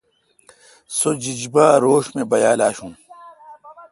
سو جیجما روݭ می بیال اشو۔